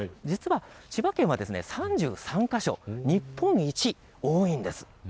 千葉県は３３か所、日本一多いんです。